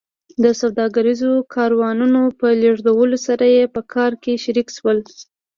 سوداګریزو کاروانونو په لېږدولو سره یې په کار کې شریک شول